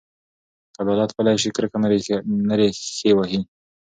که عدالت پلی شي، کرکه نه ریښې وهي.